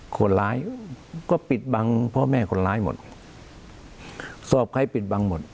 คนร้ายก็ปิดบังพ่อแม่คนร้ายหมดสอบใครปิดบังหมด